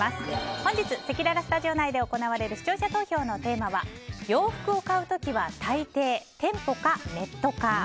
本日せきららスタジオ内で行われる視聴者投票のテーマは洋服を買うときは大抵店舗かネットか。